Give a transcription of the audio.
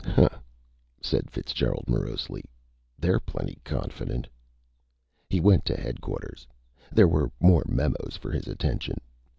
"Hah!" said Fitzgerald morosely. "They're plenty confident!" He went to Headquarters. There were more memos for his attention.